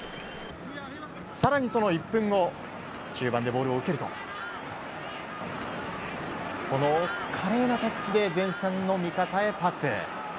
更に、その１分後中盤でボールを受けると華麗なタッチで前線の味方へパス。